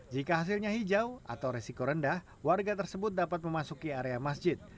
jika hasilnya hijau atau resiko rendah warga tersebut dapat memasuki area masjid